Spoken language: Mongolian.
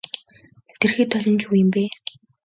Нэвтэрхий толь нь ч юу юм бэ.